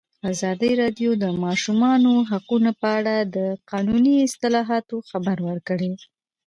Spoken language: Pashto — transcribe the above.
ازادي راډیو د د ماشومانو حقونه په اړه د قانوني اصلاحاتو خبر ورکړی.